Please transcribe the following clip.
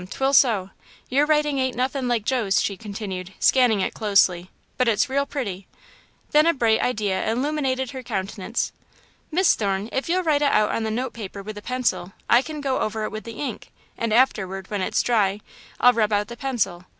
'Twill so. Your writin' ain't nothin' like Joe's," she continued, scanning it closely, "but it's real pretty." Then a bright idea illuminated her countenance. "Miss Thorne, if you'll write it out on the note paper with a pencil, I can go over it with the ink, and afterward, when it's dry, I'll rub out the pencil.